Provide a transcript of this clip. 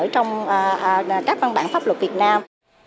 trong các văn bản pháp luật việt nam